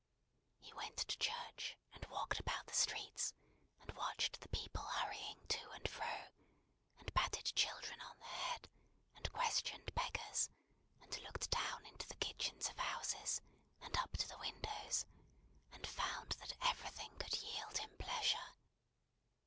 He went to church, and walked about the streets, and watched the people hurrying to and fro, and patted children on the head, and questioned beggars, and looked down into the kitchens of houses, and up to the windows, and found that everything could yield him pleasure.